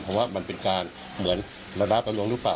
เพราะว่ามันเป็นการเหมือนระด้าประลวงหรือเปล่า